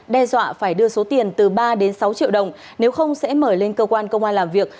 đe dọa phải đưa số tiền từ ba đến sáu triệu đồng nếu không sẽ mở lên cơ quan công an làm việc